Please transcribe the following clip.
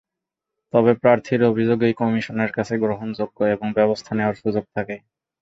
তবে প্রার্থীর অভিযোগই কমিশনের কাছে গ্রহণযোগ্য এবং ব্যবস্থা নেওয়ার সুযোগ থাকে।